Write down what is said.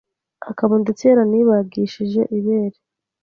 akaba ndetse yaranibagishije ibere